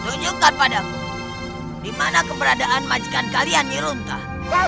tunjukkan padaku dimana keberadaan majikan kalian diruntah